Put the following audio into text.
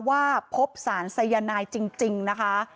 ว่าพบสารสายนายจริงนะคะ